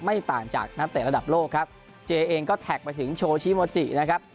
ไม่ต่างจากนักเตะระดับโลกครับเจเองก็แท็กไปถึงโชชิโมจินะครับ